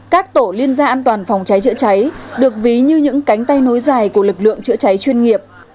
các tổ liên gia an toàn phòng cháy chữa cháy được ví như những cánh tay nối dài của lực lượng chữa cháy chuyên nghiệp